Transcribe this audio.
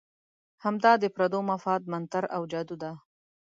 همدا د پردو مفاد منتر او جادو دی.